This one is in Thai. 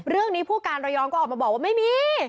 เรื่องนี้ผู้การระยองก็ออกมาบอกว่าไม่มี